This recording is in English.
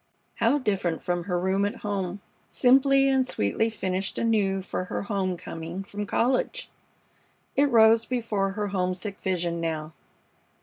How different from her room at home, simply and sweetly finished anew for her home coming from college! It rose before her homesick vision now.